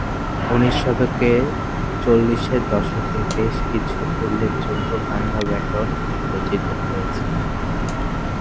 উনিশ শতকের চল্লিশের দশকে বেশ কিছু উল্লেখযোগ্য বাংলা ব্যাকরণ রচিত হয়েছিল।